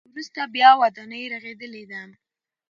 وروسته بیا ودانۍ رغېدلې ده.